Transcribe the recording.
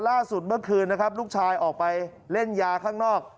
ล่าสุดเมื่อคืนนะครับลูกชายออกไปเล่นยาข้างนอก